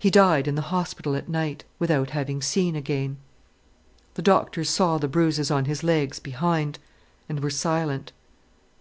He died in the hospital at night, without having seen again. The doctors saw the bruises on his legs, behind, and were silent.